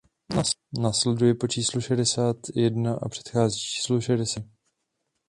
Následuje po číslu šedesát jedna a předchází číslu šedesát tři.